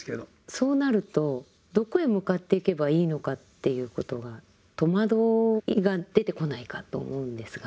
そうなるとどこへ向かっていけばいいのかっていうことが戸惑いが出てこないかと思うんですが。